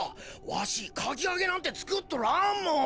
わしかきあげなんてつくっとらんもん。